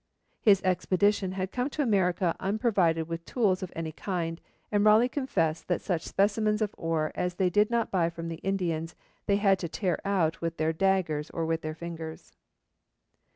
His expedition had come to America unprovided with tools of any kind, and Raleigh confesses that such specimens of ore as they did not buy from the Indians, they had to tear out with their daggers or with their fingers.